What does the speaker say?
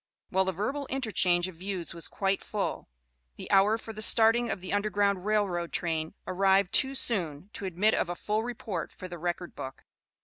While the verbal interchange of views was quite full, the hour for the starting of the Underground Rail Road train arrived too soon to admit of a full report for the record book.